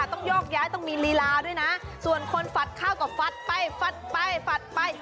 ต้องโยกย้ายต้องมีลีลาด้วยนะส่วนคนฝัดข้าวก็ฟัดไปฟัดไปฝัดไป